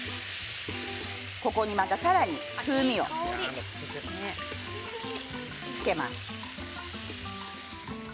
ここにまたさらに風味をつけます。